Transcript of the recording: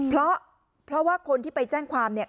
เพราะว่าคนที่ไปแจ้งความเนี่ย